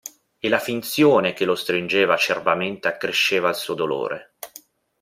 E la finzione che lo stringeva acerbamente accresceva il suo dolore.